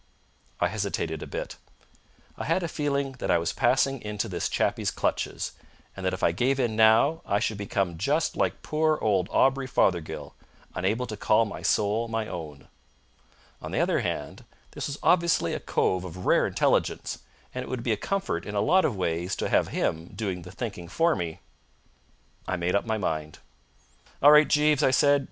I hesitated a bit. I had a feeling that I was passing into this chappie's clutches, and that if I gave in now I should become just like poor old Aubrey Fothergill, unable to call my soul my own. On the other hand, this was obviously a cove of rare intelligence, and it would be a comfort in a lot of ways to have him doing the thinking for me. I made up my mind. "All right, Jeeves," I said.